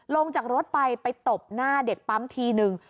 ลงจากรถไปไปตบหน้าเด็กปั๊มทีนึง